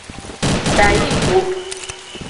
Dayi go.